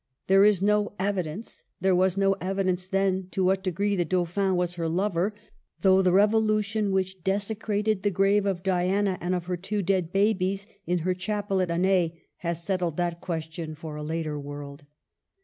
There is no evidence. There was no evidence then to what degree the Dauphin was her lover, though the Revolution which dese crated the grave of Diana and of two dead babies in her chapel at Anet has settled that question for a later world.